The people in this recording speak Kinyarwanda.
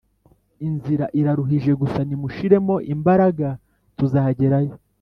inzira iraruhije gusa nimushiremo imbaraga tuzagerayo